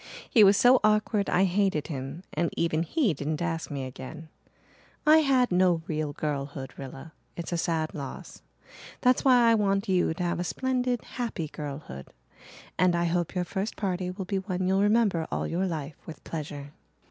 He was so awkward I hated him and even he didn't ask me again. I had no real girlhood, Rilla. It's a sad loss. That's why I want you to have a splendid, happy girlhood. And I hope your first party will be one you'll remember all your life with pleasure."